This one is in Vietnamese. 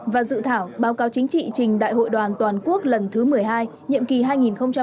và dự thảo báo cáo chính trị trình đại hội đoàn toàn quốc lần thứ một mươi hai nhiệm kỳ hai nghìn hai mươi hai nghìn hai mươi sáu